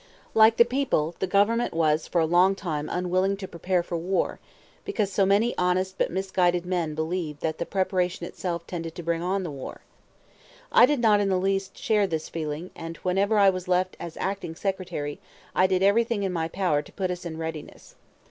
Like the people, the Government was for a long time unwilling to prepare for war, because so many honest but misguided men believed that the preparation itself tended to bring on the war. I did not in the least share this feeling, and whenever I was left as Acting Secretary I did everything in my power to put us in readiness.